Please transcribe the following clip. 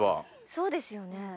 そうですよね。